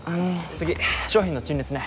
次商品の陳列ね。